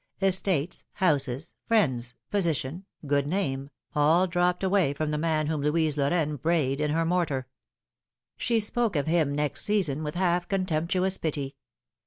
Estates, houses, friends, position, good name, all dropped away from the man whom Louise Lorraine brayed in her mortar. She spoke of him next season with half contemptuous pity.